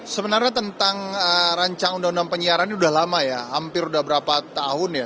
sebenarnya tentang rancang undang undang penyiaran ini sudah lama ya hampir udah berapa tahun ya